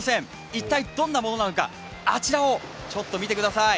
一体どんなものなのか、あちらをちょっと見てください。